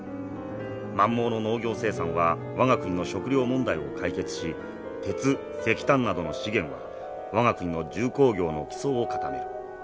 満蒙の農業生産は我が国の食糧問題を解決し鉄石炭などの資源は我が国の重工業の基礎を固める。